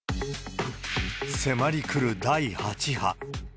迫り来る第８波。